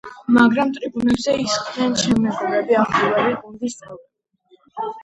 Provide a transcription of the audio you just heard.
მაგრამ ტრიბუნებზე ისხდნენ ჩემი მეგობრები, ახლობლები, გუნდის წევრები.